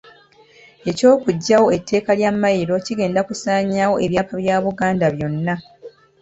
Eky'okuggyawo ettaka lya Mmayiro kigenda kusaanyaawo ebyapa bya Buganda byonna.